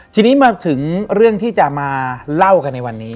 ทีนี้มาถึงเรื่องที่จะมาเล่ากันในวันนี้